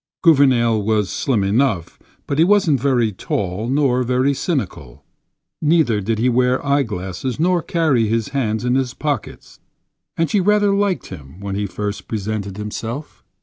Gouvernail was slim enough, but he wasn't very tall nor very cynical; neither did he wear eyeglasses nor carry his hands in his pockets. And she rather liked him when he first presented himself.